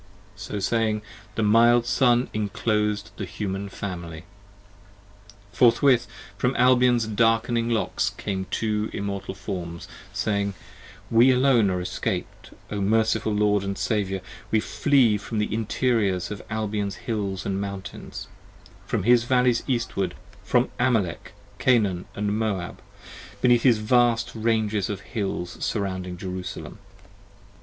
So saying, the mild Sun inclos'd the Human Family. Forthwith from Albion's darkning locks came two Immortal forms, Saying: We alone are escaped, O merciful Lord and Saviour, 30 We flee from the interiors of Albion's hills and mountains; From his Valleys Eastward; from Amalek, Canaan & Moab; Beneath his vast ranges of hills surrounding Jerusalem.